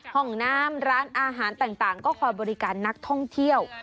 ห้องน้ำร้านอาหารต่างก็คอยบริการนักท่องเที่ยว